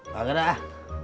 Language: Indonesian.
gak ada ah